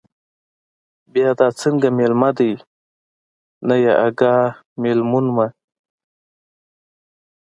بیا دا څنگه مېلمه دے، نه يې اگاه، مېلمون مه